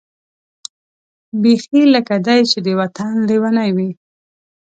بېخي لکه دای چې د وطن لېونۍ وي.